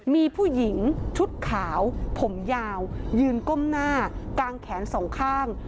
มีผู้หญิงชุดขาวผมยาวยืนก้มหน้ากางแขนสองข้าง